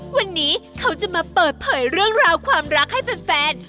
วันนี้เขาจะมาเปิดเผยเรื่องราวความรักให้แฟน